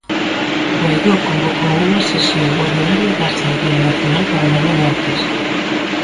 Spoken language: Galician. Guaidó convocou unha sesión ordinaria da Asemblea Nacional para mañá martes.